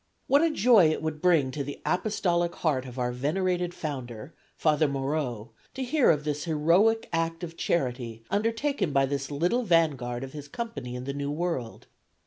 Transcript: What a joy it would bring to the apostolic heart of our venerated founder (Father Moreaux) to hear of this heroic act of charity undertaken by this little vanguard of his company in the New World!